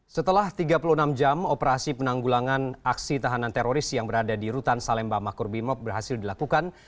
setelah tiga puluh enam jam operasi penanggulangan aksi tahanan teroris yang berada di rutan salemba makor bimob berhasil dilakukan